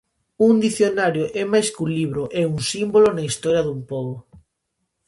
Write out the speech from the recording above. Un dicionario é máis que un libro, é un símbolo na historia dun pobo.